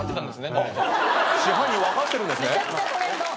めちゃくちゃトレンド。